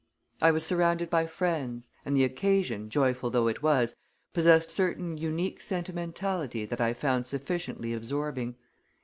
I was surrounded by friends, and the occasion, joyful though it was, possessed a certain unique sentimentality that I found sufficiently absorbing.